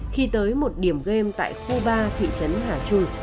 khi tới một điểm game tại khu ba thị trấn hà trung